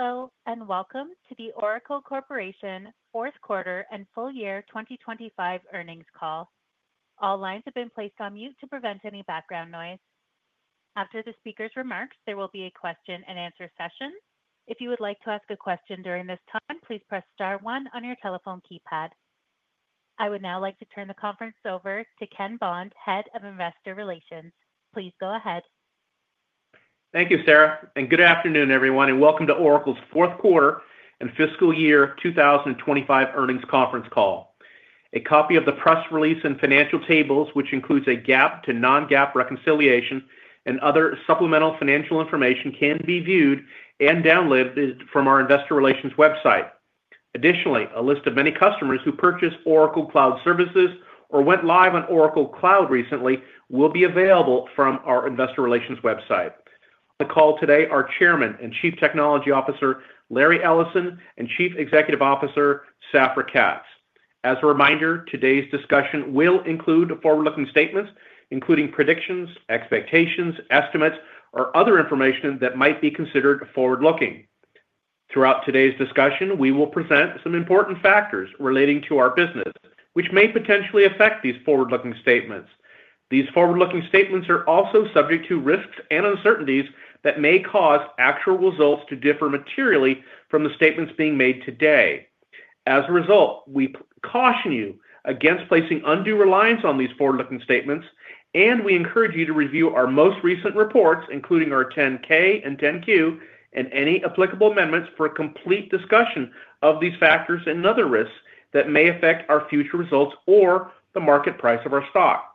Hello, and welcome to the Oracle Corporation Fourth Quarter and Full Year 2025 earnings call. All lines have been placed on mute to prevent any background noise. After the speaker's remarks, there will be a question-and-answer session. If you would like to ask a question during this time, please press star one on your telephone keypad. I would now like to turn the conference over to Ken Bond, Head of Investor Relations. Please go ahead. Thank you, Sarah. Good afternoon, everyone. Welcome to Oracle's Fourth Quarter and Fiscal Year 2025 earnings conference call. A copy of the press release and financial tables, which includes a GAAP to non-GAAP reconciliation and other supplemental financial information, can be viewed and downloaded from our Investor Relations website. Additionally, a list of many customers who purchased Oracle Cloud services or went live on Oracle Cloud recently will be available from our investor relations website. On the call today, our Chairman and Chief Technology Officer, Larry Ellison, and Chief Executive Officer, Safra Catz. As a reminder, today's discussion will include forward-looking statements, including predictions, expectations, estimates, or other information that might be considered forward-looking. Throughout today's discussion, we will present some important factors relating to our business, which may potentially affect these forward-looking statements. These forward-looking statements are also subject to risks and uncertainties that may cause actual results to differ materially from the statements being made today. As a result, we caution you against placing undue reliance on these forward-looking statements. We encourage you to review our most recent reports, including our 10-K and 10-Q, and any applicable amendments for a complete discussion of these factors and other risks that may affect our future results or the market price of our stock.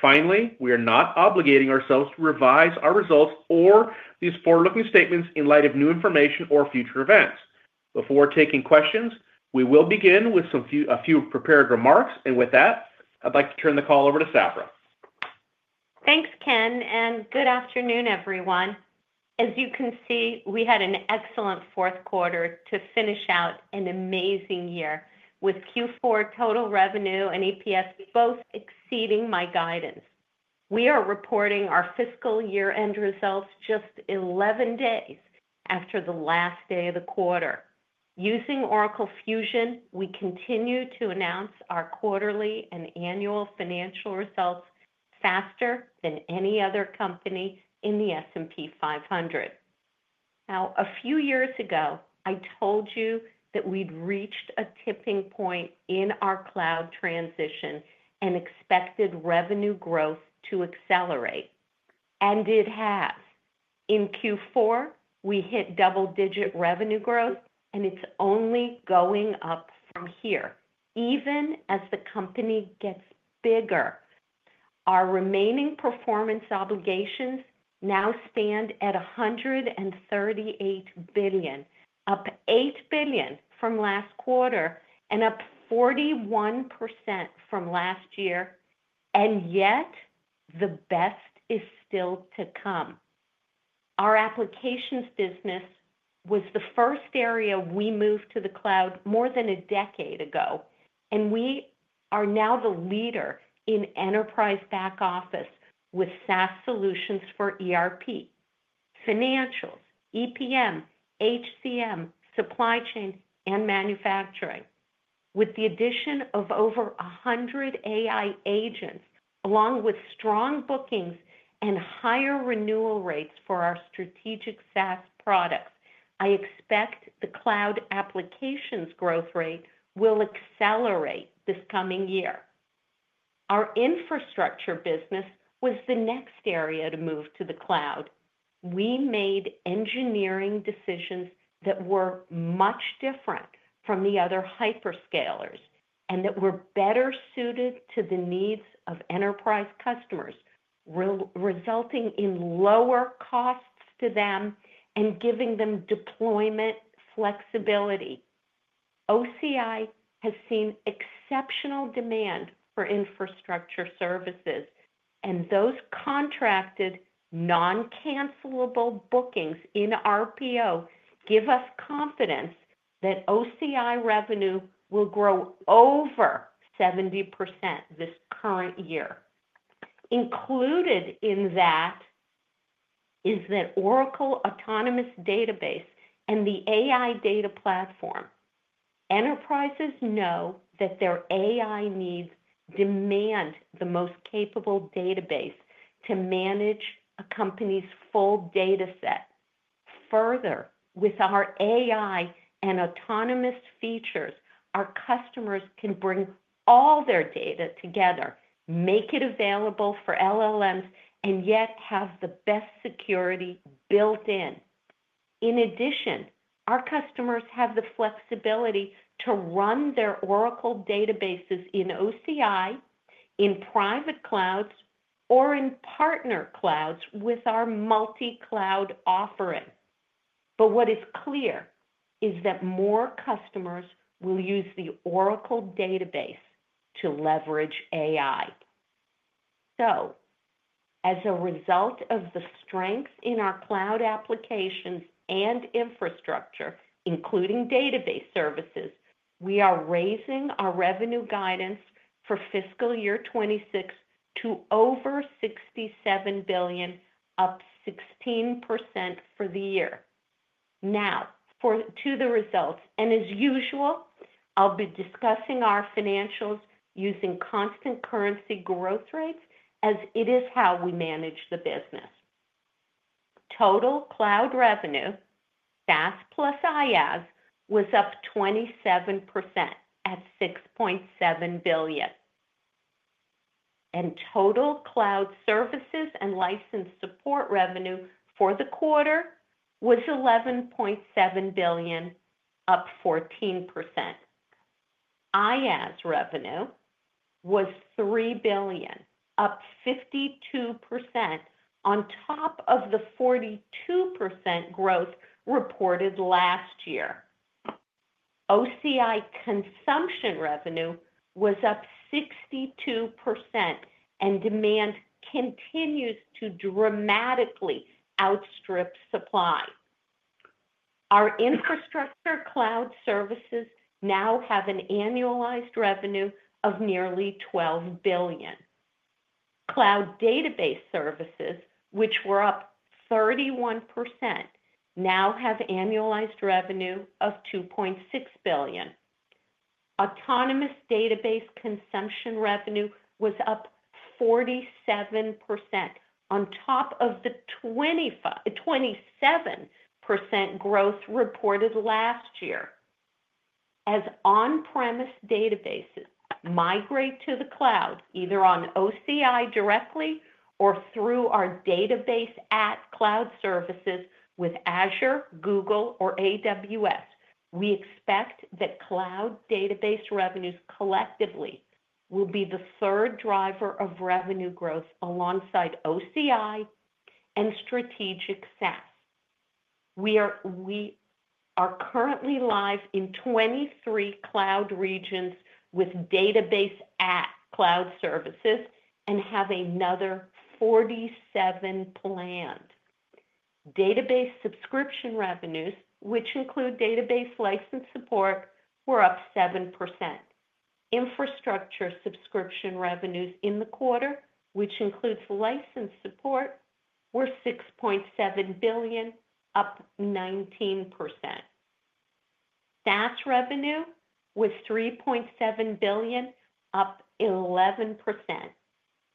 Finally, we are not obligating ourselves to revise our results or these forward-looking statements in light of new information or future events. Before taking questions, we will begin with a few prepared remarks. With that, I'd like to turn the call over to Safra. Thanks, Ken. And good afternoon, everyone. As you can see, we had an excellent fourth quarter to finish out an amazing year with Q4 total revenue and EPS both exceeding my guidance. We are reporting our fiscal year-end results just 11 days after the last day of the quarter. Using Oracle Fusion, we continue to announce our quarterly and annual financial results faster than any other company in the S&P 500. Now, a few years ago, I told you that we'd reached a tipping point in our cloud transition and expected revenue growth to accelerate. And it has. In Q4, we hit double-digit revenue growth. And it's only going up from here, even as the company gets bigger. Our remaining performance obligations now stand at $138 billion, up $8 billion from last quarter and up 41% from last year. And yet, the best is still to come. Our applications business was the first area we moved to the cloud more than a decade ago. We are now the leader in enterprise back office with SaaS solutions for ERP, financials, EPM, HCM, supply chain, and manufacturing. With the addition of over 100 AI agents, along with strong bookings and higher renewal rates for our strategic SaaS products, I expect the cloud applications growth rate will accelerate this coming year. Our infrastructure business was the next area to move to the cloud. We made engineering decisions that were much different from the other hyperscalers and that were better suited to the needs of enterprise customers, resulting in lower costs to them and giving them deployment flexibility. OCI has seen exceptional demand for infrastructure services. Those contracted, non-cancelable bookings in RPO give us confidence that OCI revenue will grow over 70% this current year. Included in that is the Oracle Autonomous Database and the AI data platform. Enterprises know that their AI needs demand the most capable database to manage a company's full data set. Further, with our AI and autonomous features, our customers can bring all their data together, make it available for LLMs, and yet have the best security built in. In addition, our customers have the flexibility to run their Oracle databases in OCI, in private clouds, or in partner clouds with our multi-cloud offering. What is clear is that more customers will use the Oracle database to leverage AI. As a result of the strength in our cloud applications and infrastructure, including database services, we are raising our revenue guidance for fiscal year 2026 to over $67 billion, up 16% for the year. Now, to the results. As usual, I'll be discussing our financials using constant currency growth rates, as it is how we manage the business. Total cloud revenue, SaaS plus IaaS, was up 27% at $6.7 billion. Total cloud services and license support revenue for the quarter was $11.7 billion, up 14%. IaaS revenue was $3 billion, up 52% on top of the 42% growth reported last year. OCI consumption revenue was up 62%. Demand continues to dramatically outstrip supply. Our infrastructure cloud services now have an annualized revenue of nearly $12 billion. Cloud database services, which were up 31%, now have annualized revenue of $2.6 billion. Autonomous database consumption revenue was up 47% on top of the 27% growth reported last year. As on-premise databases migrate to the cloud, either on OCI directly or through our database at cloud services with Azure, Google, or AWS, we expect that cloud database revenues collectively will be the third driver of revenue growth alongside OCI and strategic SaaS. We are currently live in 23 cloud regions with database at cloud services and have another 47 planned. Database subscription revenues, which include database license support, were up 7%. Infrastructure subscription revenues in the quarter, which includes license support, were $6.7 billion, up 19%. SaaS revenue was $3.7 billion, up 11%.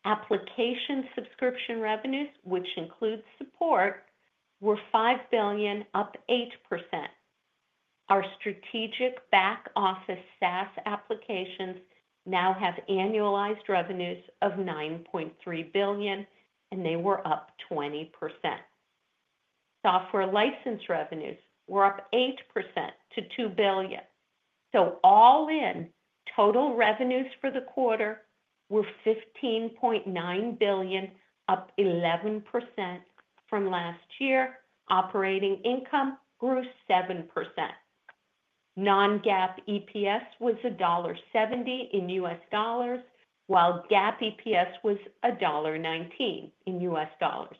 Application subscription revenues, which include support, were $5 billion, up 8%. Our strategic back office SaaS applications now have annualized revenues of $9.3 billion, and they were up 20%. Software license revenues were up 8% to $2 billion. All in, total revenues for the quarter were $15.9 billion, up 11% from last year. Operating income grew 7%. Non-GAAP EPS was $1.70 in U.S. dollars, while GAAP EPS was $1.19 in U.S. dollars.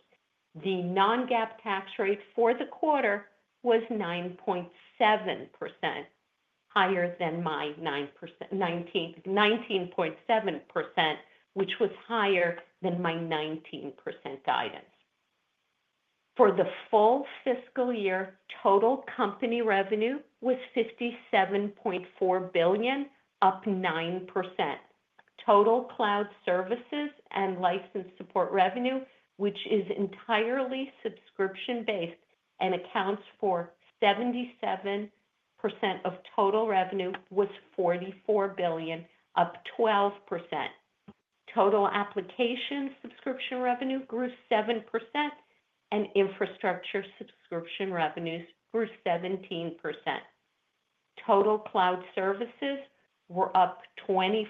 The non-GAAP tax rate for the quarter was 9.7%, higher than my 19.7%, which was higher than my 19% guidance. For the full fiscal year, total company revenue was $57.4 billion, up 9%. Total cloud services and license support revenue, which is entirely subscription-based and accounts for 77% of total revenue, was $44 billion, up 12%. Total application subscription revenue grew 7%, and infrastructure subscription revenues grew 17%. Total cloud services were up 24%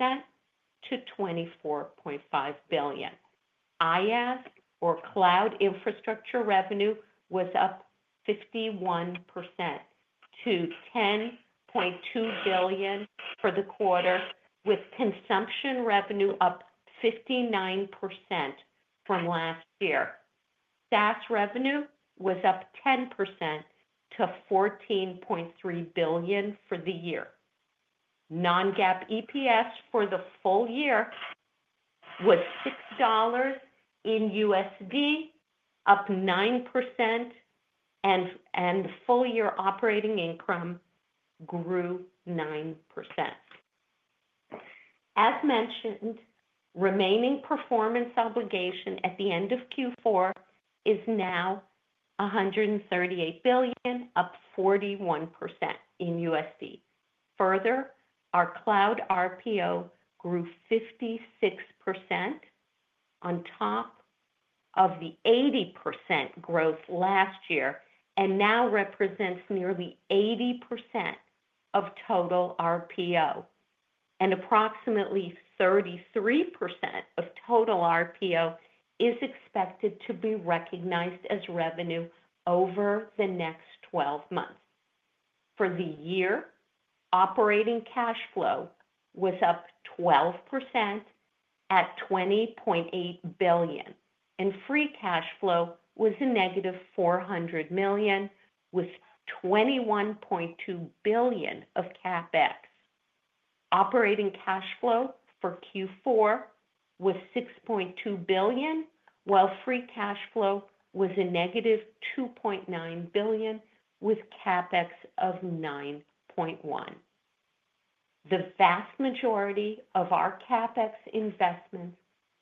to $24.5 billion. IaaS, or cloud infrastructure revenue, was up 51% to $10.2 billion for the quarter, with consumption revenue up 59% from last year. SaaS revenue was up 10% to $14.3 billion for the year. Non-GAAP EPS for the full year was $6 in USD, up 9%. The full year operating income grew 9%. As mentioned, remaining performance obligation at the end of Q4 is now $138 billion, up 41% in USD. Further, our cloud RPO grew 56% on top of the 80% growth last year and now represents nearly 80% of total RPO. Approximately 33% of total RPO is expected to be recognized as revenue over the next 12 months. For the year, operating cash flow was up 12% at $20.8 billion. Free cash flow was a -$400 million, with $21.2 billion of CapEx. Operating cash flow for Q4 was $6.2 billion, while free cash flow was a -$2.9 billion, with CapEx of $9.1 billion. The vast majority of our CapEx investments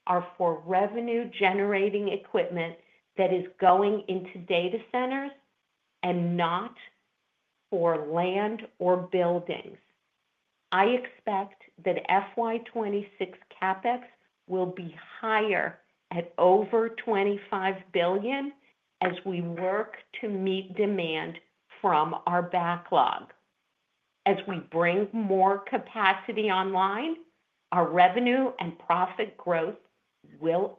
are for revenue-generating equipment that is going into data centers and not for land or buildings. I expect that FY 2026 CapEx will be higher at over $25 billion as we work to meet demand from our backlog. As we bring more capacity online, our revenue and profit growth will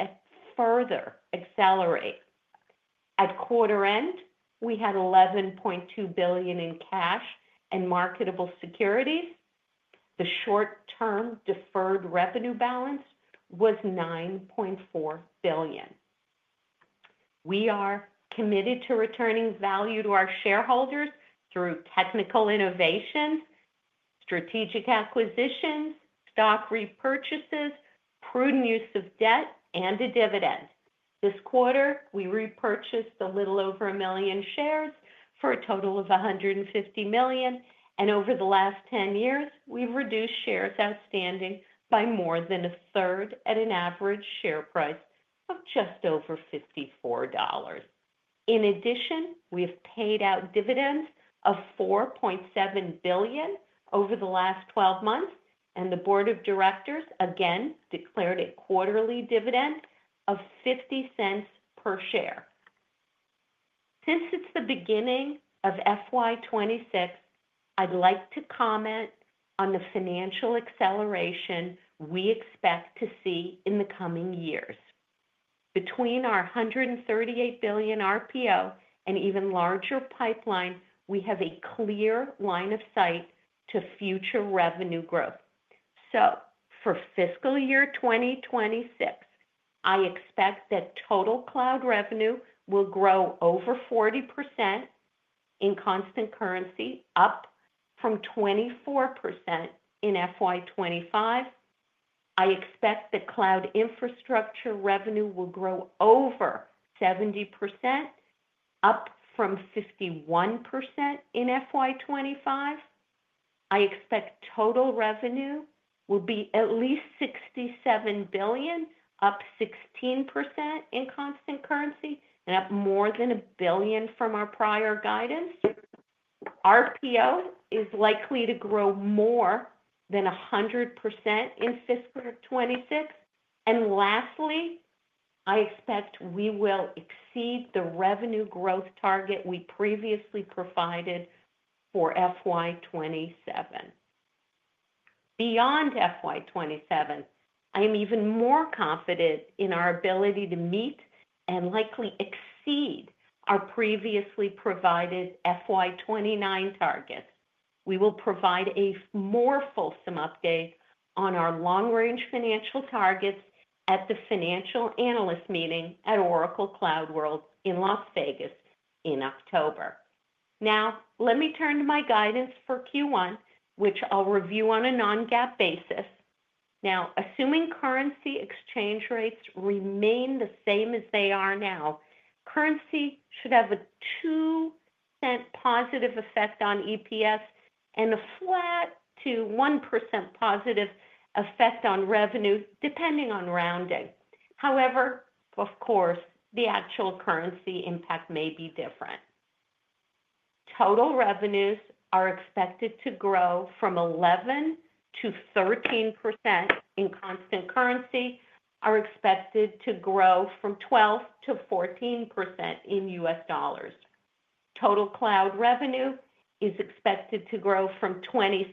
further accelerate. At quarter end, we had $11.2 billion in cash and marketable securities. The short-term deferred revenue balance was $9.4 billion. We are committed to returning value to our shareholders through technical innovations, strategic acquisitions, stock repurchases, prudent use of debt, and a dividend. This quarter, we repurchased a little over a million shares for a total of $150 million. Over the last 10 years, we've reduced shares outstanding by more than 1/3 at an average share price of just over $54. In addition, we have paid out dividends of $4.7 billion over the last 12 months. The board of directors, again, declared a quarterly dividend of $0.50 per share. Since it's the beginning of FY 2026, I'd like to comment on the financial acceleration we expect to see in the coming years. Between our $138 billion RPO and even larger pipeline, we have a clear line of sight to future revenue growth. For fiscal year 2026, I expect that total cloud revenue will grow over 40% in constant currency, up from 24% in FY 2025. I expect that cloud infrastructure revenue will grow over 70%, up from 51% in FY 2025. I expect total revenue will be at least $67 billion, up 16% in constant currency, and up more than a billion from our prior guidance. RPO is likely to grow more than 100% in fiscal year 2026. Lastly, I expect we will exceed the revenue growth target we previously provided for FY 2027. Beyond FY 2027, I am even more confident in our ability to meet and likely exceed our previously provided FY 2029 targets. We will provide a more fulsome update on our long-range financial targets at the financial analyst meeting at Oracle CloudWorld in Las Vegas in October. Now, let me turn to my guidance for Q1, which I'll review on a non-GAAP basis. Now, assuming currency exchange rates remain the same as they are now, currency should have a 2% positive effect on EPS and a flat to 1% positive effect on revenue, depending on rounding. However, of course, the actual currency impact may be different. Total revenues are expected to grow from 11%-13% in constant currency. Are expected to grow from 12%-14% in U.S. dollars. Total cloud revenue is expected to grow from 26%-30%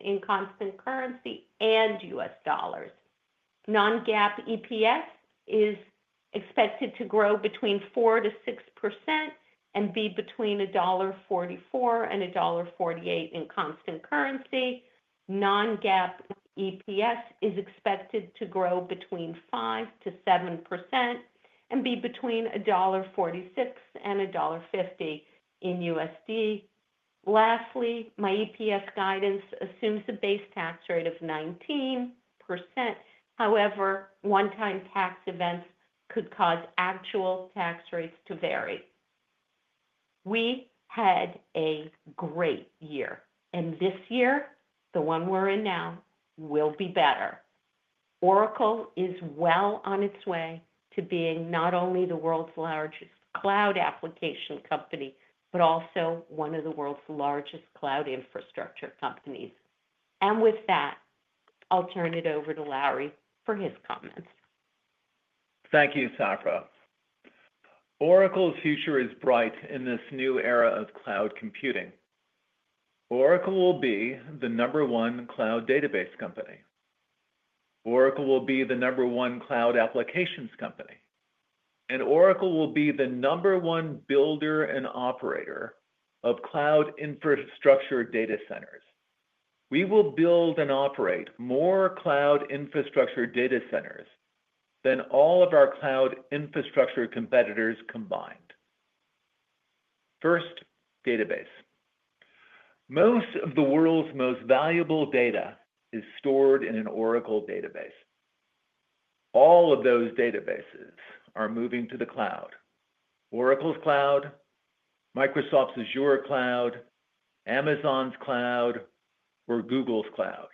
in constant currency and U.S. dollars. Non-GAAP EPS is expected to grow between 4%-6% and be between $1.44 and $1.48 in constant currency. Non-GAAP EPS is expected to grow between 5%-7% and be between $1.46 and $1.50 in USD. Lastly, my EPS guidance assumes a base tax rate of 19%. However, one-time tax events could cause actual tax rates to vary. We had a great year. This year, the one we're in now, will be better. Oracle is well on its way to being not only the world's largest cloud application company, but also one of the world's largest cloud infrastructure companies. With that, I'll turn it over to Larry for his comments. Thank you, Safra. Oracle's future is bright in this new era of cloud computing. Oracle will be the number one cloud database company. Oracle will be the number one cloud applications company. Oracle will be the number one builder and operator of cloud infrastructure data centers. We will build and operate more cloud infrastructure data centers than all of our cloud infrastructure competitors combined. First, database. Most of the world's most valuable data is stored in an Oracle database. All of those databases are moving to the cloud: Oracle's cloud, Microsoft's Azure Cloud, Amazon's Cloud, or Google's Cloud.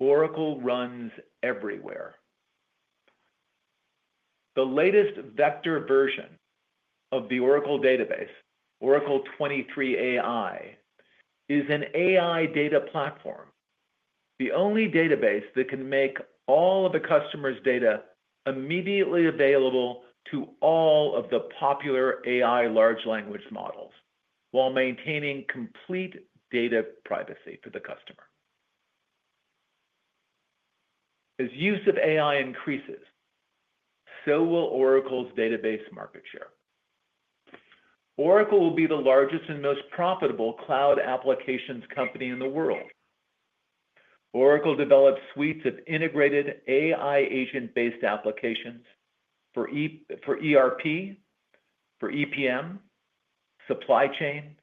Oracle runs everywhere. The latest vector version of the Oracle database, Oracle 23AI, is an AI data platform, the only database that can make all of the customer's data immediately available to all of the popular AI large language models while maintaining complete data privacy for the customer. As use of AI increases, so will Oracle's database market share. Oracle will be the largest and most profitable cloud applications company in the world. Oracle develops suites of integrated AI agent-based applications for ERP, for EPM, supply chain,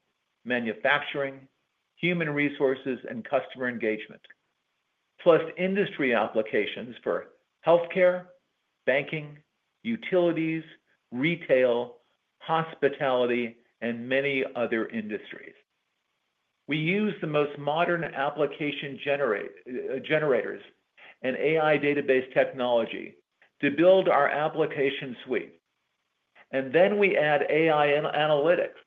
manufacturing, human resources, and customer engagement, plus industry applications for healthcare, banking, utilities, retail, hospitality, and many other industries. We use the most modern application generators and AI database technology to build our application suite. We add AI analytics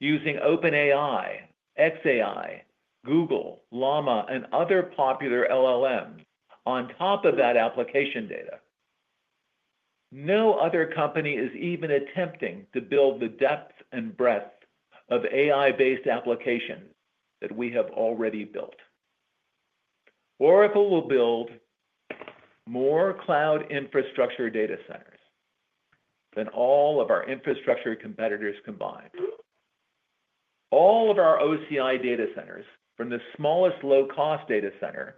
using OpenAI, xAI, Google, Llama, and other popular LLMs on top of that application data. No other company is even attempting to build the depth and breadth of AI-based applications that we have already built. Oracle will build more cloud infrastructure data centers than all of our infrastructure competitors combined. All of our OCI data centers, from the smallest low-cost data center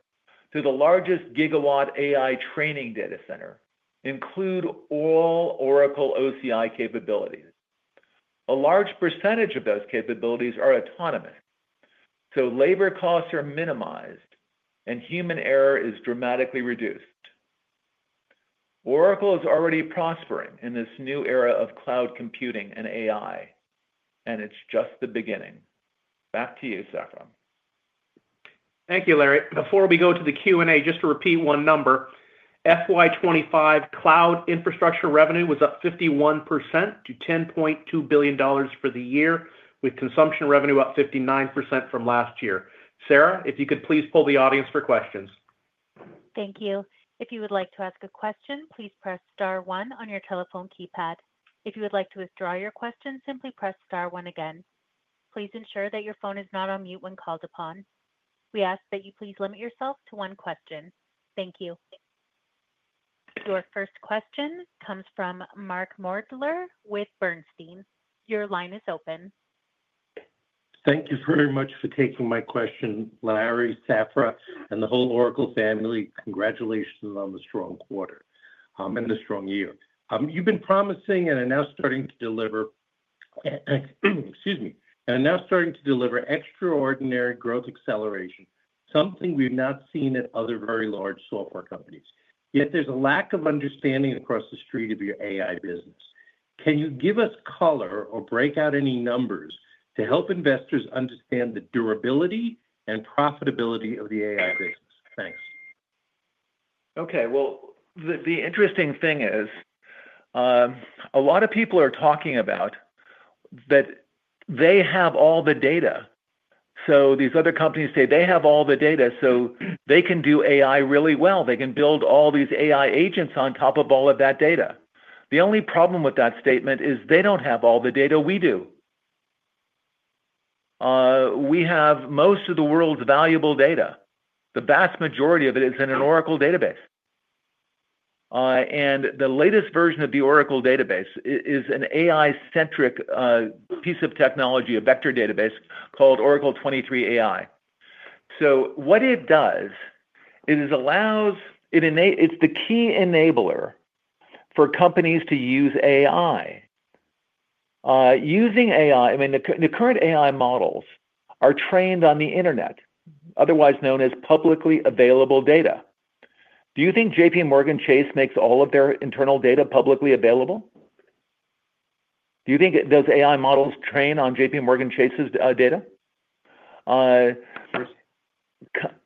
to the largest gigawatt AI training data center, include all Oracle OCI capabilities. A large percentage of those capabilities are autonomous, so labor costs are minimized and human error is dramatically reduced. Oracle is already prospering in this new era of cloud computing and AI, and it's just the beginning. Back to you, Safra. Thank you, Larry. Before we go to the Q&A, just to repeat one number: FY 2025 cloud infrastructure revenue was up 51% to $10.2 billion for the year, with consumption revenue up 59% from last year. Sarah, if you could please poll the audience for questions. Thank you. If you would like to ask a question, please press star one on your telephone keypad. If you would like to withdraw your question, simply press star 1 again. Please ensure that your phone is not on mute when called upon. We ask that you please limit yourself to one question. Thank you. Your first question comes from Mark Moerdler with Bernstein. Your line is open. Thank you very much for taking my question, Larry, Safra, and the whole Oracle family. Congratulations on the strong quarter and the strong year. You've been promising and are now starting to deliver, excuse me, and are now starting to deliver extraordinary growth acceleration, something we've not seen at other very large software companies. Yet there's a lack of understanding across the street of your AI business. Can you give us color or break out any numbers to help investors understand the durability and profitability of the AI business? Thanks. Okay. The interesting thing is a lot of people are talking about that they have all the data. These other companies say they have all the data, so they can do AI really well. They can build all these AI agents on top of all of that data. The only problem with that statement is they don't have all the data we do. We have most of the world's valuable data. The vast majority of it is in an Oracle database. The latest version of the Oracle database is an AI-centric piece of technology, a vector database called Oracle 23AI. What it does is it allows—it's the key enabler for companies to use AI. Using AI, I mean, the current AI models are trained on the internet, otherwise known as publicly available data. Do you think JPMorgan Chase makes all of their internal data publicly available? Do you think those AI models train on JPMorgan Chase's data?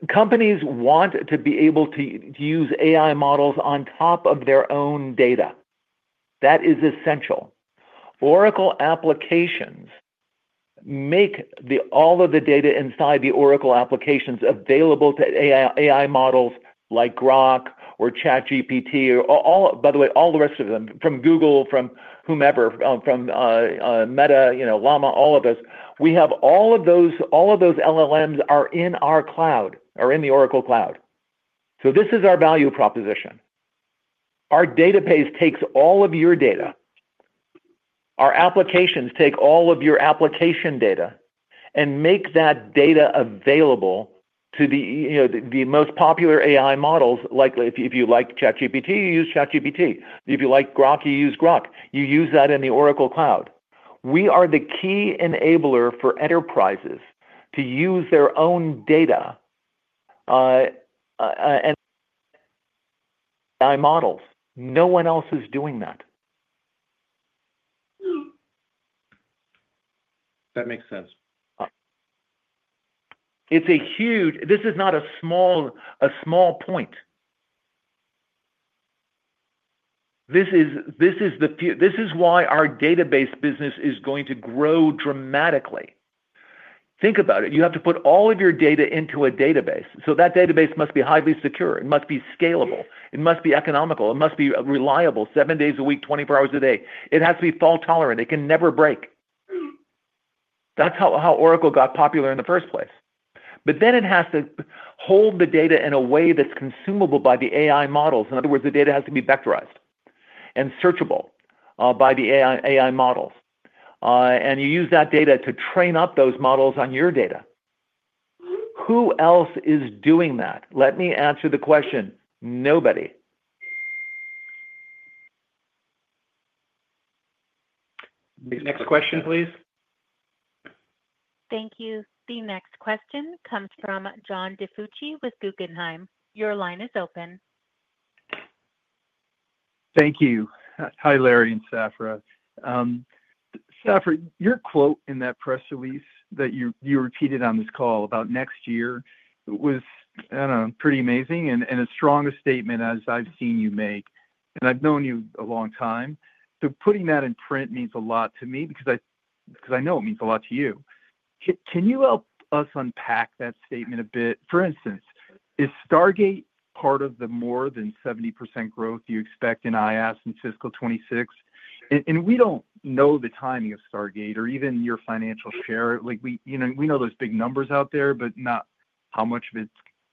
Companies want to be able to use AI models on top of their own data. That is essential. Oracle applications make all of the data inside the Oracle applications available to AI models like Grok or ChatGPT, or, by the way, all the rest of them, from Google, from whomever, from Meta, Llama, all of us. We have all of those—all of those LLMs are in our cloud or in the Oracle cloud. This is our value proposition. Our database takes all of your data. Our applications take all of your application data and make that data available to the most popular AI models. Like, if you like ChatGPT, you use ChatGPT. If you like Grok, you use Grok. You use that in the Oracle cloud. We are the key enabler for enterprises to use their own data and AI models. No one else is doing that. That makes sense. It is a huge—this is not a small point. This is why our database business is going to grow dramatically. Think about it. You have to put all of your data into a database. That database must be highly secure. It must be scalable. It must be economical. It must be reliable 7 days a week, 24 hours a day. It has to be fault-tolerant. It can never break. That is how Oracle got popular in the first place. It has to hold the data in a way that is consumable by the AI models. In other words, the data has to be vectorized and searchable by the AI models. You use that data to train up those models on your data. Who else is doing that? Let me answer the question. Nobody. Next question, please. Thank you. The next question comes from John DiFucci with Guggenheim. Your line is open. Thank you. Hi, Larry and Safra. Safra, your quote in that press release that you repeated on this call about next year was, I do not know, pretty amazing and as strong a statement as I have seen you make. I have known you a long time. Putting that in print means a lot to me because I know it means a lot to you. Can you help us unpack that statement a bit? For instance, is Stargate part of the more than 70% growth you expect in IaaS in fiscal 2026? We do not know the timing of Stargate or even your financial share. We know there are big numbers out there, but not how much of it is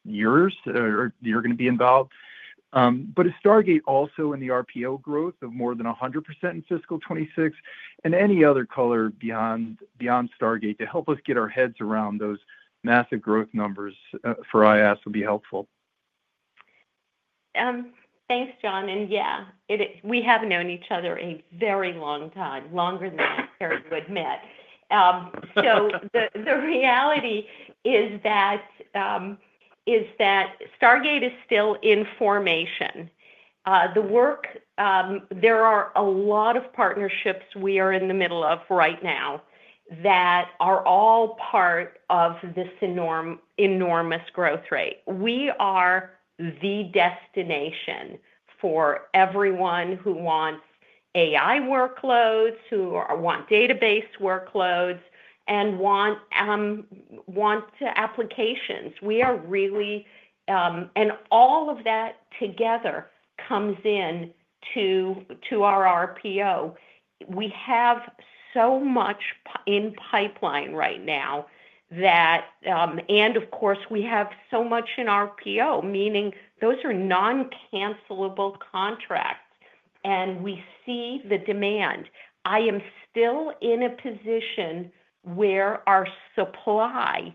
yours or you are going to be involved. Is Stargate also in the RPO growth of more than 100% in fiscal 2026? Any other color beyond Stargate to help us get our heads around those massive growth numbers for IaaS would be helpful. Thanks, John. We have known each other a very long time, longer than I would admit. The reality is that Stargate is still in formation. There are a lot of partnerships we are in the middle of right now that are all part of this enormous growth rate. We are the destination for everyone who wants AI workloads, who want database workloads, and want applications. We are really—and all of that together comes into our RPO. We have so much in pipeline right now that—and of course, we have so much in RPO, meaning those are non-cancelable contracts. We see the demand. I am still in a position where our supply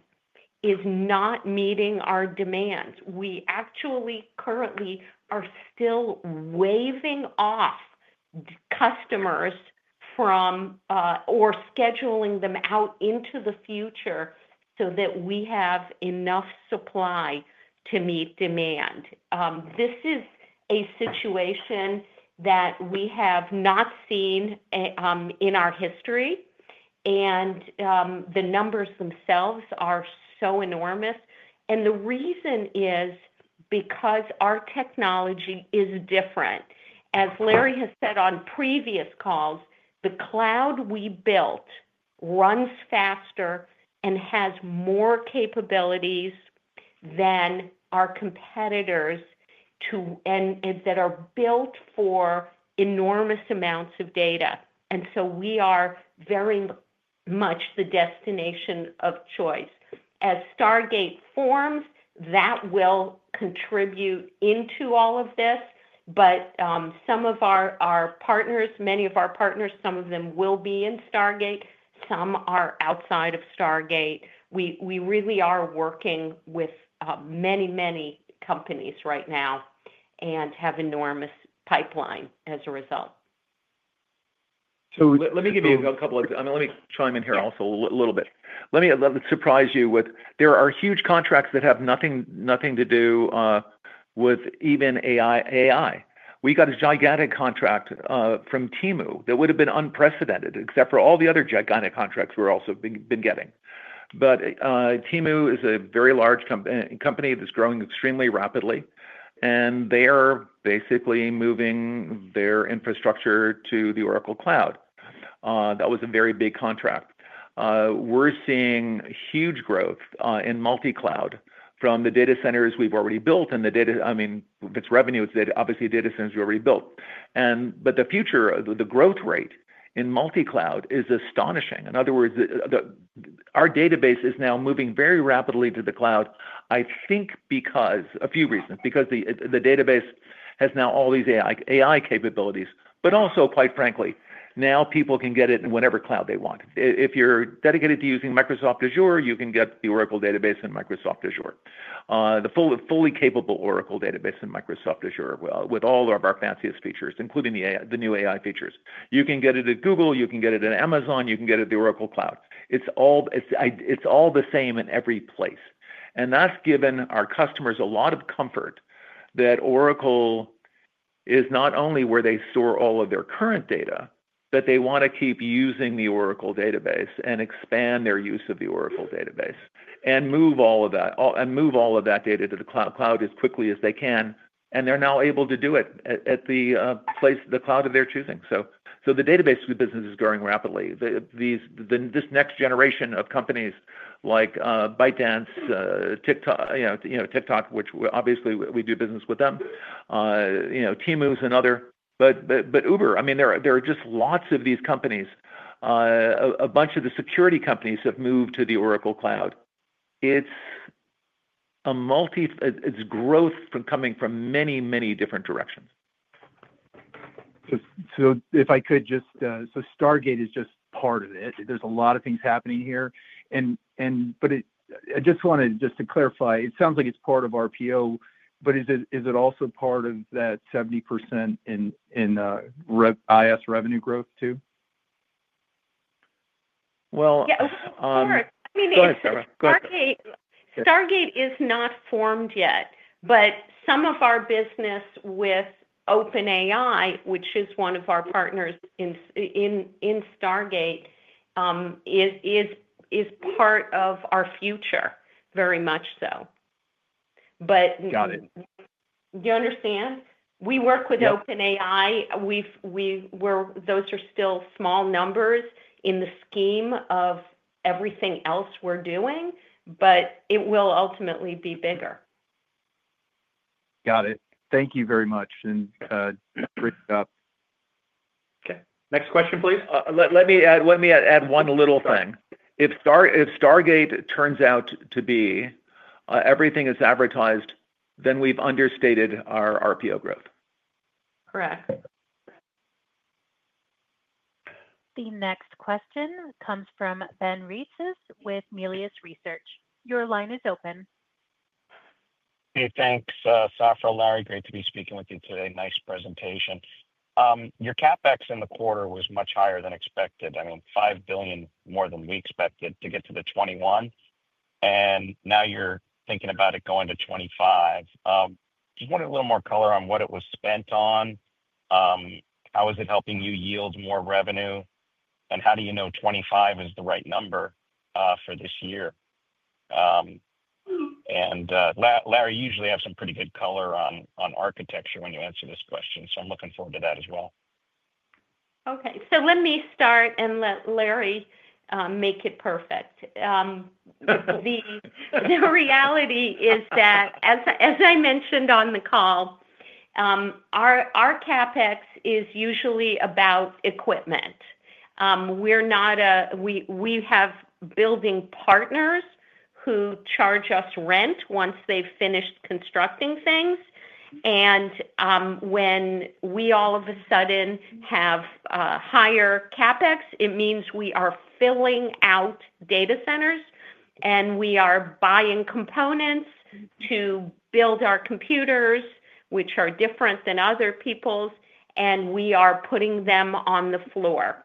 is not meeting our demands. We actually currently are still waiving off customers or scheduling them out into the future so that we have enough supply to meet demand. This is a situation that we have not seen in our history. The numbers themselves are so enormous. The reason is because our technology is different. As Larry has said on previous calls, the cloud we built runs faster and has more capabilities than our competitors that are built for enormous amounts of data. We are very much the destination of choice. As Stargate forms, that will contribute into all of this. Some of our partners, many of our partners, some of them will be in Stargate. Some are outside of Stargate. We really are working with many, many companies right now and have enormous pipeline as a result. Let me give you a couple of—let me chime in here also a little bit. Let me surprise you with there are huge contracts that have nothing to do with even AI. We got a gigantic contract from Temu that would have been unprecedented except for all the other gigantic contracts we've also been getting. Temu is a very large company that's growing extremely rapidly. They are basically moving their infrastructure to the Oracle Cloud. That was a very big contract. We're seeing huge growth in multi-cloud from the data centers we've already built and the data—I mean, if it's revenue, it's obviously data centers we've already built. The future, the growth rate in multi-cloud is astonishing. In other words, our database is now moving very rapidly to the cloud, I think because a few reasons, because the database has now all these AI capabilities, but also, quite frankly, now people can get it in whatever cloud they want. If you're dedicated to using Microsoft Azure, you can get the Oracle Database in Microsoft Azure. The fully capable Oracle Database in Microsoft Azure with all of our fanciest features, including the new AI features. You can get it at Google. You can get it at Amazon. You can get it at the Oracle Cloud. It's all the same in every place. That has given our customers a lot of comfort that Oracle is not only where they store all of their current data, but they want to keep using the Oracle database and expand their use of the Oracle database and move all of that data to the cloud as quickly as they can. They are now able to do it at the cloud of their choosing. The database business is growing rapidly. This next generation of companies like ByteDance, TikTok, which obviously we do business with them, Temu and others, but Uber. I mean, there are just lots of these companies. A bunch of the security companies have moved to the Oracle Cloud. It's growth coming from many, many different directions. If I could just—Stargate is just part of it. There are a lot of things happening here. I just wanted to clarify. It sounds like it is part of RPO, but is it also part of that 70% in IaaS revenue growth too? Safra, go ahead. Stargate is not formed yet, but some of our business with OpenAI, which is one of our partners in Stargate, is part of our future, very much so. Do you understand? We work with OpenAI. Those are still small numbers in the scheme of everything else we are doing, but it will ultimately be bigger. Got it. Thank you very much and great stuff. Next question, please. Let me add one little thing. If Stargate turns out to be everything it is advertised, then we have understated our RPO growth. Correct. The next question comes from Ben Reitzes with Melius Research.Your line is open. Hey, thanks, Safra and Larry. Great to be speaking with you today. Nice presentation. Your CapEx in the quarter was much higher than expected. I mean, $5 billion more than we expected to get to the '21. And now you're thinking about it going to '25. Just wanted a little more color on what it was spent on. How is it helping you yield more revenue? And how do you know '25 is the right number for this year? Larry usually has some pretty good color on architecture when you answer this question. I'm looking forward to that as well. Okay. Let me start and let Larry make it perfect. The reality is that, as I mentioned on the call, our CapEx is usually about equipment. We have building partners who charge us rent once they've finished constructing things. When we all of a sudden have higher CapEx, it means we are filling out data centers and we are buying components to build our computers, which are different than other people's, and we are putting them on the floor.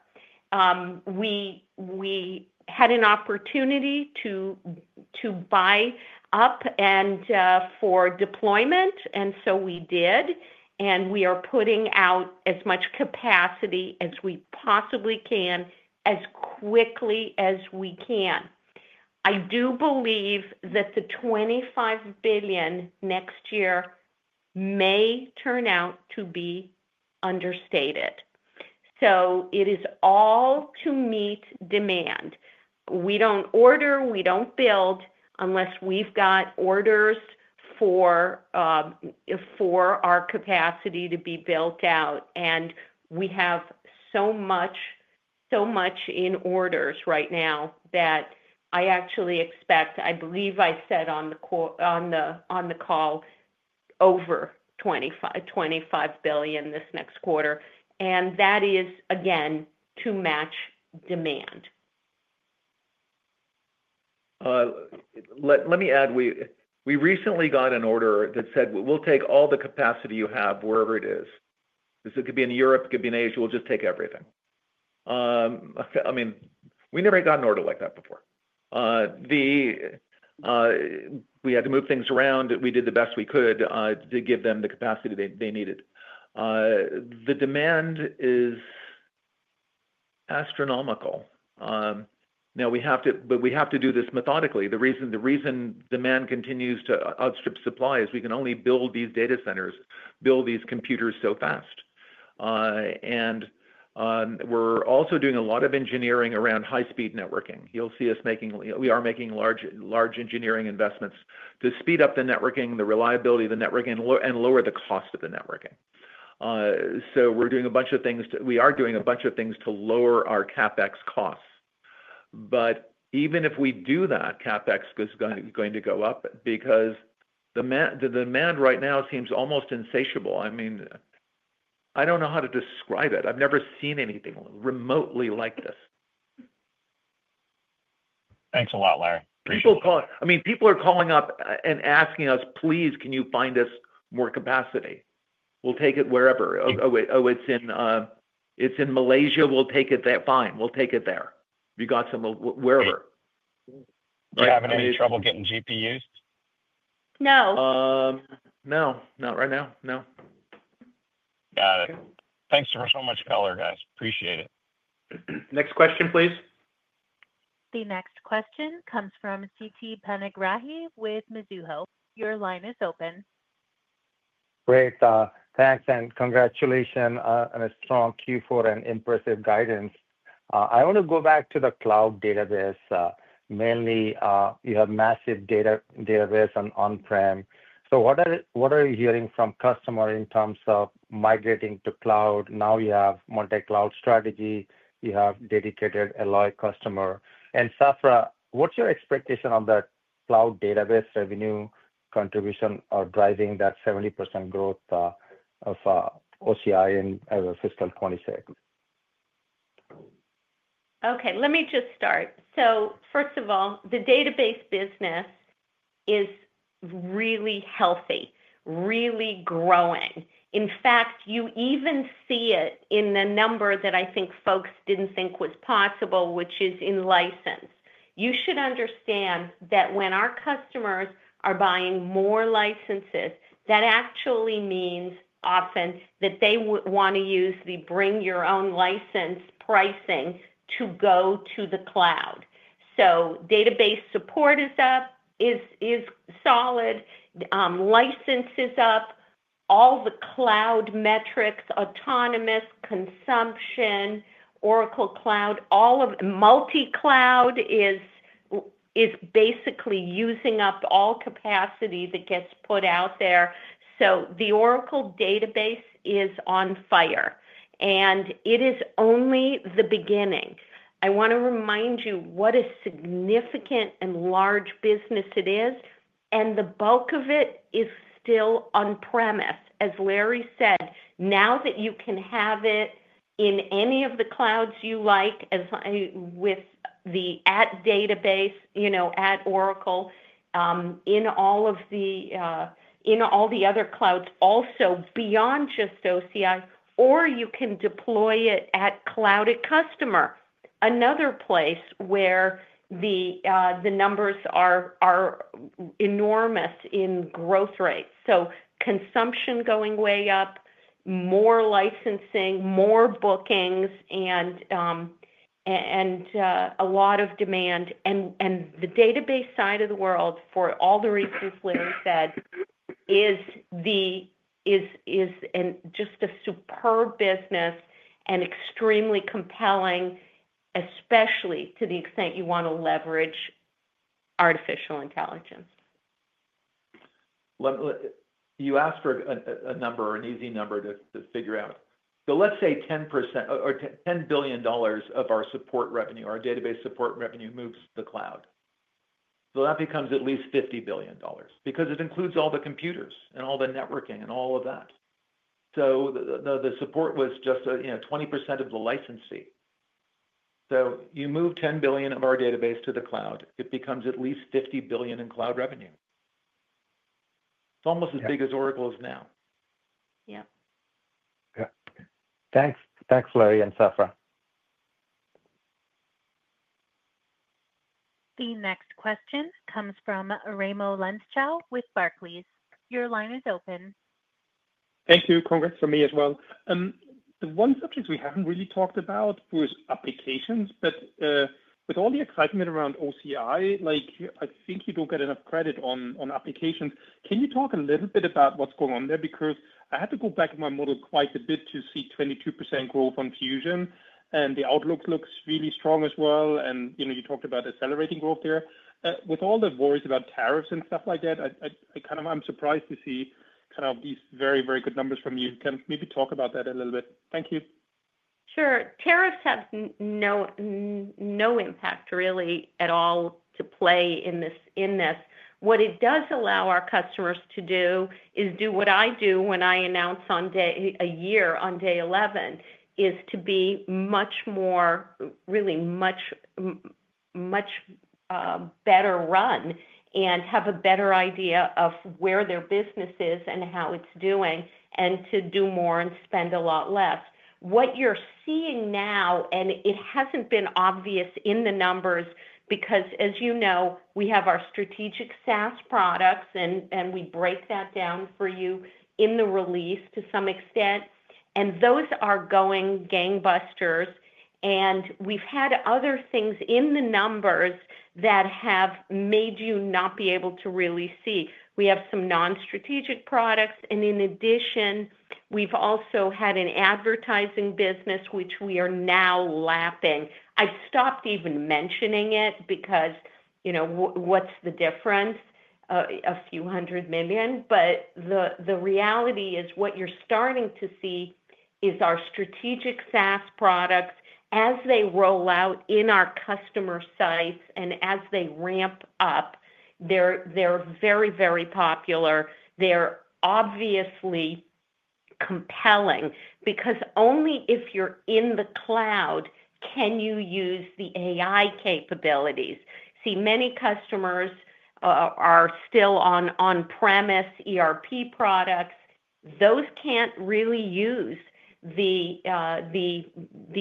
We had an opportunity to buy up and for deployment, and we did. We are putting out as much capacity as we possibly can as quickly as we can. I do believe that the $25 billion next year may turn out to be understated. It is all to meet demand. We do not order. We do not build unless we have orders for our capacity to be built out. We have so much in orders right now that I actually expect—I believe I said on the call—over $25 billion this next quarter. That is, again, to match demand. Let me add, we recently got an order that said, "We'll take all the capacity you have wherever it is." This could be in Europe. It could be in Asia. We'll just take everything. I mean, we never got an order like that before. We had to move things around. We did the best we could to give them the capacity they needed. The demand is astronomical. Now, we have to do this methodically. The reason demand continues to outstrip supply is we can only build these data centers, build these computers so fast. We are also doing a lot of engineering around high-speed networking. You'll see us making—we are making large engineering investments to speed up the networking, the reliability of the networking, and lower the cost of the networking. We're doing a bunch of things—we are doing a bunch of things to lower our CapEx costs. Even if we do that, CapEx is going to go up because the demand right now seems almost insatiable. I mean, I don't know how to describe it. I've never seen anything remotely like this. Thanks a lot, Larry. Appreciate it. I mean, people are calling up and asking us, "Please, can you find us more capacity? We'll take it wherever." "Oh, it's in Malaysia. We'll take it there." "Fine. We'll take it there." You got some wherever. Are you having any trouble getting GPUs? No. No. Not right now. No. Got it. Thanks for so much color, guys. Appreciate it. Next question, please. The next question comes from Siti Panigrahi with Mizuho. Your line is open. Great. Thanks. And congratulations and a strong Q4 and impressive guidance. I want to go back to the cloud database. Mainly, you have massive database on on-prem. What are you hearing from customers in terms of migrating to cloud? Now you have multi-cloud strategy. You have dedicated Alloy customer. Safra, what's your expectation on the cloud database revenue contribution or driving that 70% growth of OCI in fiscal 2026? Okay. Let me just start. First of all, the database business is really healthy, really growing. In fact, you even see it in the number that I think folks did not think was possible, which is in license. You should understand that when our customers are buying more licenses, that actually means often that they want to use the bring-your-own-license pricing to go to the cloud. Database support is solid. License is up. All the cloud metrics, autonomous consumption, Oracle Cloud, all of it. Multi-cloud is basically using up all capacity that gets put out there. The Oracle database is on fire. It is only the beginning. I want to remind you what a significant and large business it is. The bulk of it is still on-premise. As Larry said, now that you can have it in any of the clouds you like with the database at Oracle, in all the other clouds also beyond just OCI, or you can deploy it at Cloud at Customer, another place where the numbers are enormous in growth rates. Consumption going way up, more licensing, more bookings, and a lot of demand. The database side of the world, for all the reasons Larry said, is just a superb business and extremely compelling, especially to the extent you want to leverage artificial intelligence. You asked for a number, an easy number to figure out. Let's say $10 billion of our support revenue, our database support revenue, moves to the cloud. That becomes at least $50 billion because it includes all the computers and all the networking and all of that. The support was just 20% of the license fee. You move $10 billion of our database to the cloud, it becomes at least $50 billion in cloud revenue. It's almost as big as Oracle is now. Yep. Yeah. Thanks, Larry and Safra. The next question comes from Raimo Lenschow with Barclays. Your line is open. Thank you. Congrats from me as well. One subject we haven't really talked about was applications. With all the excitement around OCI, I think you don't get enough credit on applications. Can you talk a little bit about what's going on there? Because I had to go back in my model quite a bit to see 22% growth on Fusion. The outlook looks really strong as well. You talked about accelerating growth there. With all the worries about tariffs and stuff like that, I'm surprised to see kind of these very, very good numbers from you. Can you maybe talk about that a little bit? Thank you. Sure. Tariffs have no impact really at all to play in this. What it does allow our customers to do is do what I do when I announce a year on day 11, is to be really much better run and have a better idea of where their business is and how it's doing and to do more and spend a lot less. What you're seeing now, and it hasn't been obvious in the numbers because, as you know, we have our strategic SaaS products, and we break that down for you in the release to some extent. Those are going gangbusters. We've had other things in the numbers that have made you not be able to really see. We have some non-strategic products. In addition, we've also had an advertising business, which we are now lapping. I stopped even mentioning it because what's the difference? A few hundred million. The reality is what you're starting to see is our strategic SaaS products as they roll out in our customer sites and as they ramp up. They're very, very popular. They're obviously compelling because only if you're in the cloud can you use the AI capabilities. See, many customers are still on-premise ERP products. Those can't really use the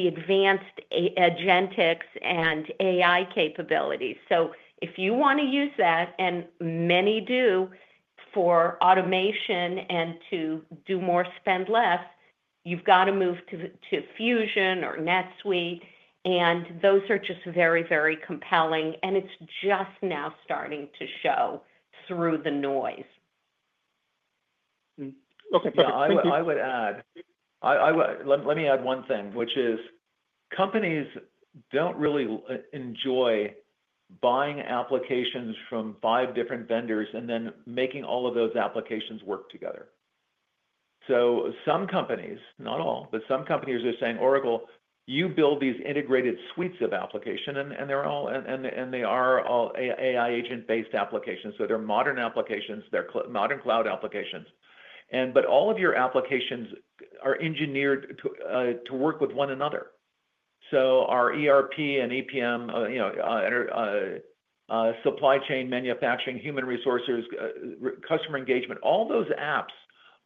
advanced agentics and AI capabilities. If you want to use that, and many do for automation and to do more spend less, you've got to move to Fusion or NetSuite. Those are just very, very compelling. It's just now starting to show through the noise. Okay. I would add let me add one thing, which is companies don't really enjoy buying applications from five different vendors and then making all of those applications work together. Some companies, not all, but some companies are saying, "Oracle, you build these integrated suites of applications," and they are all AI agent-based applications. They're modern applications. They're modern cloud applications. All of your applications are engineered to work with one another. Our ERP and EPM, supply chain, manufacturing, human resources, customer engagement, all those apps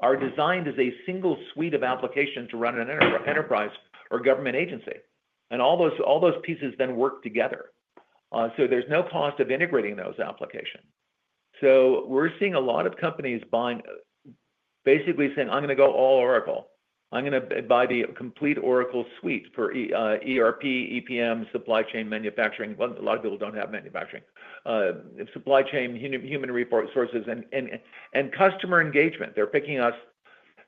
are designed as a single suite of applications to run an enterprise or government agency. All those pieces then work together. There is no cost of integrating those applications. We are seeing a lot of companies basically saying, "I'm going to go all Oracle. I'm going to buy the complete Oracle suite for ERP, EPM, supply chain, manufacturing." A lot of people do not have manufacturing. Supply chain, human resources, and customer engagement. They are picking us.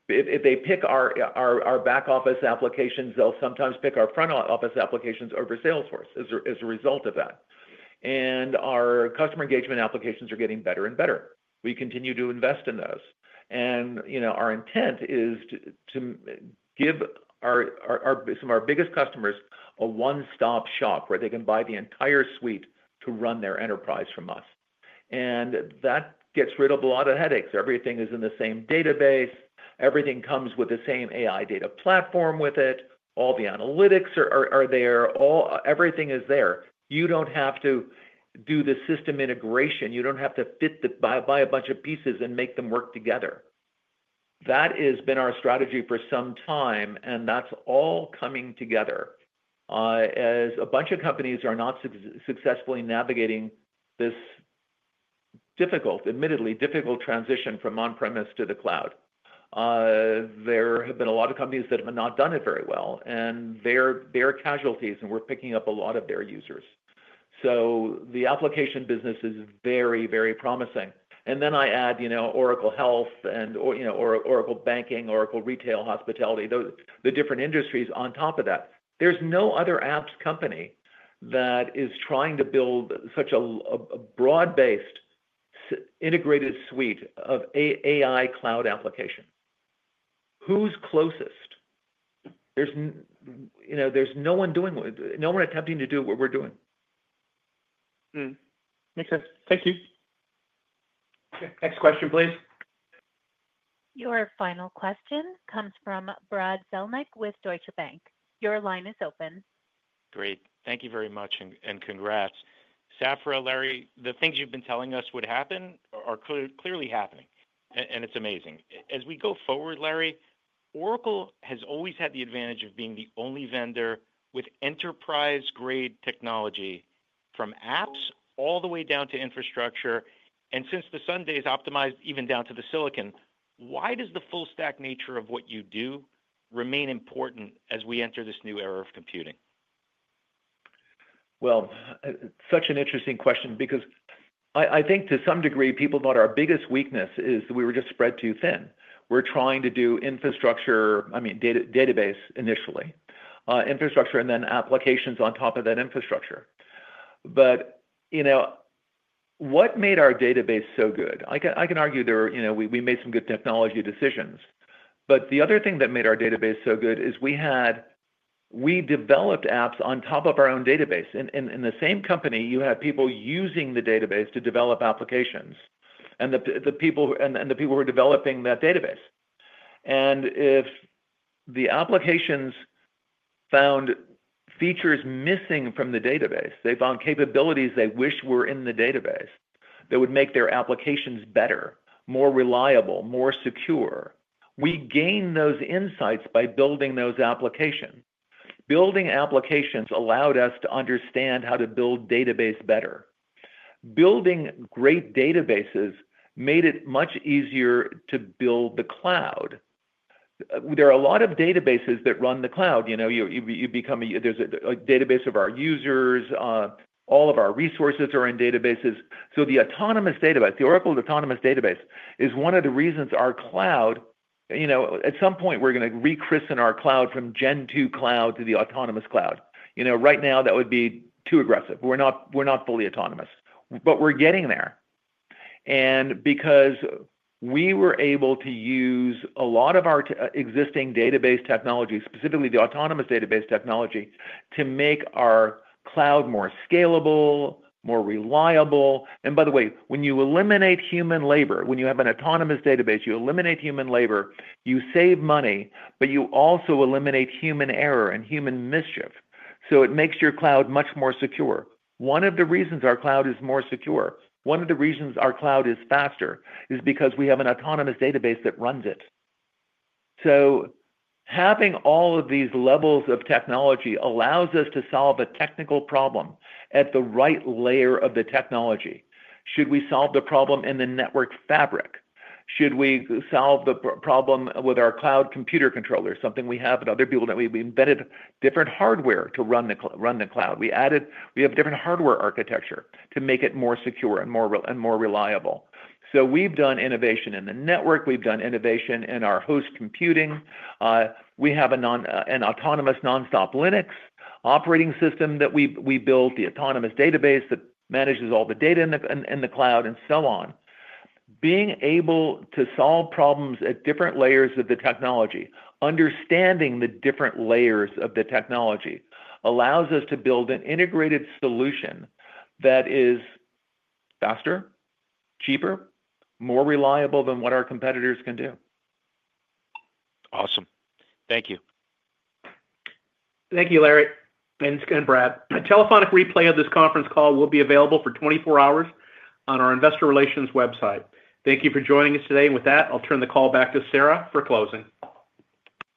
If they pick our back office applications, they will sometimes pick our front office applications over Salesforce as a result of that. Our customer engagement applications are getting better and better. We continue to invest in those. Our intent is to give some of our biggest customers a one-stop shop where they can buy the entire suite to run their enterprise from us. That gets rid of a lot of headaches. Everything is in the same database. Everything comes with the same AI data platform with it. All the analytics are there. Everything is there. You do not have to do the system integration. You do not have to buy a bunch of pieces and make them work together. That has been our strategy for some time. That is all coming together as a bunch of companies are not successfully navigating this difficult, admittedly difficult transition from on-premise to the cloud. There have been a lot of companies that have not done it very well. They are casualties. We are picking up a lot of their users. The application business is very, very promising. I add Oracle Health and Oracle Banking, Oracle Retail, Hospitality, the different industries on top of that. There is no other apps company that is trying to build such a broad-based integrated suite of AI cloud application. Who is closest? There is no one attempting to do what we are doing. Makes sense. Thank you. Next question, please. Your final question comes from Brad Zelnick with Deutsche Bank. Your line is open. Great. Thank you very much. And congrats. Safra, Larry, the things you have been telling us would happen are clearly happening. And it is amazing. As we go forward, Larry, Oracle has always had the advantage of being the only vendor with enterprise-grade technology from apps all the way down to infrastructure. And since the SunDay is optimized even down to the silicon, why does the full-stack nature of what you do remain important as we enter this new era of computing? Such an interesting question because I think to some degree, people thought our biggest weakness is that we were just spread too thin. We're trying to do infrastructure, I mean, database initially, infrastructure, and then applications on top of that infrastructure. What made our database so good? I can argue we made some good technology decisions. The other thing that made our database so good is we developed apps on top of our own database. In the same company, you had people using the database to develop applications and the people who were developing that database. If the applications found features missing from the database, they found capabilities they wish were in the database that would make their applications better, more reliable, more secure, we gained those insights by building those applications. Building applications allowed us to understand how to build database better. Building great databases made it much easier to build the cloud. There are a lot of databases that run the cloud. There's a database of our users. All of our resources are in databases. The Oracle Autonomous Database is one of the reasons our cloud at some point, we're going to rechristen our cloud from Gen 2 Cloud to the Autonomous Cloud. Right now, that would be too aggressive. We're not fully autonomous. We're getting there. Because we were able to use a lot of our existing database technology, specifically the Autonomous Database technology, to make our cloud more scalable, more reliable. By the way, when you eliminate human labor, when you have an autonomous database, you eliminate human labor, you save money, but you also eliminate human error and human mischief. It makes your cloud much more secure. One of the reasons our cloud is more secure, one of the reasons our cloud is faster, is because we have an autonomous database that runs it. Having all of these levels of technology allows us to solve a technical problem at the right layer of the technology. Should we solve the problem in the network fabric? Should we solve the problem with our cloud computer controller, something we have at other people that we've embedded different hardware to run the cloud? We have different hardware architecture to make it more secure and more reliable. We have done innovation in the network. We have done innovation in our host computing. We have an autonomous nonstop Linux operating system that we built, the Autonomous Database that manages all the data in the cloud, and so on. Being able to solve problems at different layers of the technology, understanding the different layers of the technology, allows us to build an integrated solution that is faster, cheaper, more reliable than what our competitors can do. Awesome. Thank you. Thank you, Larry, Lenz, and Brad. A telephonic replay of this conference call will be available for 24 hours on our investor relations website. Thank you for joining us today. With that, I'll turn the call back to Sarah for closing.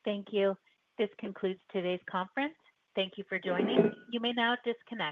Thank you. This concludes today's conference. Thank you for joining. You may now disconnect.